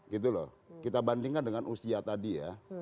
gitu loh kita bandingkan dengan usia tadi ya